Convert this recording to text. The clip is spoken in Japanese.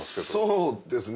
そうですね。